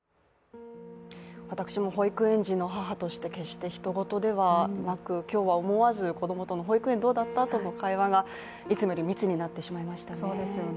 私も保育園児の母として決してひと事ではなく今日は思わず子供との保育園どうだった？との会話がいつもより密になってしまいましたね。